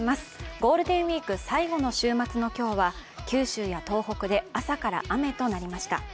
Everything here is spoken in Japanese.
ゴールデンウイーク最後の週末の今日は九州や東北で朝から雨となりました。